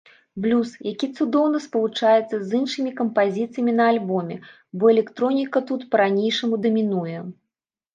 Блюз, які цудоўна спалучаецца з іншымі кампазіцыямі на альбоме, бо электроніка тут па-ранейшаму дамінуе.